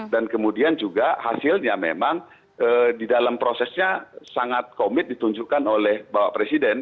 dan kemudian juga hasilnya memang di dalam prosesnya sangat komit ditunjukkan oleh bapak presiden